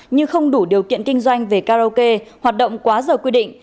như không đủ điều kiện kinh doanh về karaoke hoạt động quá dở quy định